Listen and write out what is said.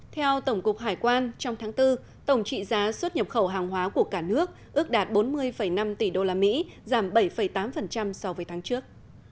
theo tổng cục hải quan trong tháng bốn tổng trị giá xuất nhập khẩu hàng hóa của cả nước ước đạt bốn mươi năm tỷ usd giảm bảy tám so với tháng trước